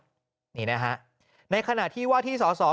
กรุงเทพฯมหานครทำไปแล้วนะครับ